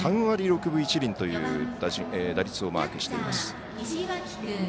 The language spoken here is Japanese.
３割６分１厘という打率をマークしています。